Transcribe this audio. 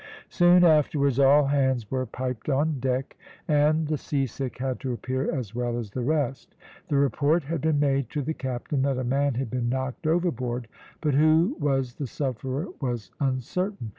Soon afterwards all hands were piped on deck, and the sea sick had to appear as well as the rest. The report had been made to the captain that a man had been knocked overboard, but who was the sufferer was uncertain.